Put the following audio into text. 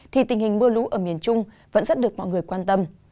thì tình hình mưa lũ ở miền trung vẫn rất được mọi người quan tâm